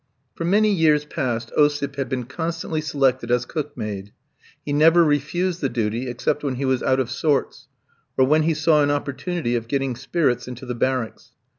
For many years past Osip had been constantly selected as "cook maid." He never refused the duty except when he was out of sorts, or when he saw an opportunity of getting spirits into the barracks.